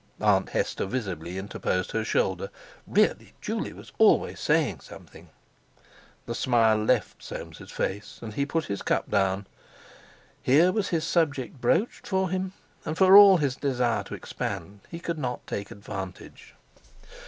Aunt Hester visibly interposed her shoulder. Really, Juley was always saying something! The smile left Soames' face, and he put his cup down. Here was his subject broached for him, and for all his desire to expand, he could not take advantage.